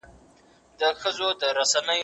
ما د خپلې کوژدنې غږ په زړه کې وساته.